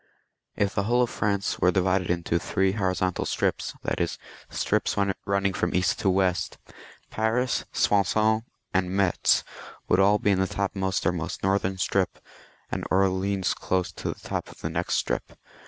If the whole of France were divided into three horizontal strips, that is, strips running from east to west — Paris, Soissons, and Metz would all be in the topmost or most northern strip, and Orleans close to the top of the next strip.